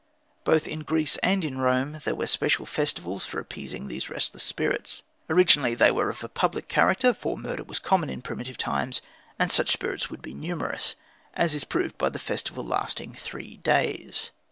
Both in Greece and in Rome there were special festivals for appeasing these restless spirits. Originally they were of a public character, for murder was common in primitive times, and such spirits would be numerous, as is proved by the festival lasting three days.